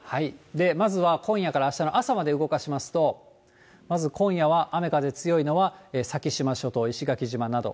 まずは今夜からあしたの朝まで動かしますと、まず今夜は雨、風強いのは、先島諸島、石垣島など。